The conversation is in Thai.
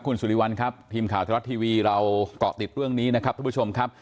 คุณสุริวัลครับทีมข่าวธรรมรัฐทีวีเราเกาะติดเรื่องนี้นะครับทุกผู้ชมครับ